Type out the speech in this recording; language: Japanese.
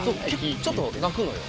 ちょっと鳴くのよ。